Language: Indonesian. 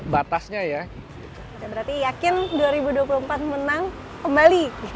berarti yakin dua ribu dua puluh empat menang kembali